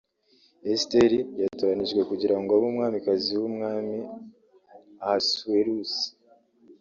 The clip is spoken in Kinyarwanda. Esiteri yatoranyijwe kugira ngo abe Umwamikazi w'Umwami Ahasuwerusi